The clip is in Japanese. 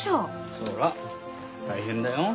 そりゃ大変だよ。